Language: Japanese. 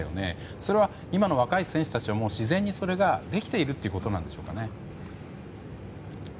それは今の若い選手たちが自然にそれができているってことなんでしょうかね。